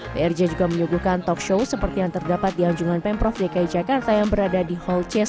prj juga menyuguhkan talk show seperti yang terdapat di anjungan pemprov dki jakarta yang berada di hall c satu